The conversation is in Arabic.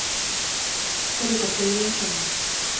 سرقت ليلى سامي.